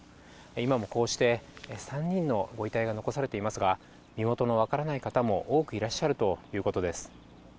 今もこうして３人のご遺体が残されていますが身元の分からない方も多くいらっしゃるということです。